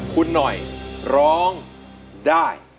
คุณหน่อยร้องได้